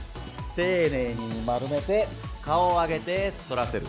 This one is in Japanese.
丁寧に丸めて顔を上げて反らせる。